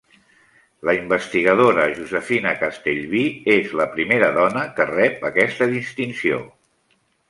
La investigadora Josefina Castellví és la primera dona que rep aquesta distinció.